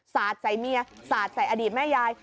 สาดใส่เมียสาดใส่อดีตแม่ยาย